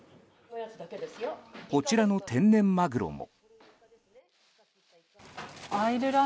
こちらの天然マグロも。